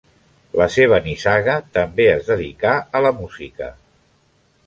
La seva nissaga també es dedicà a la música.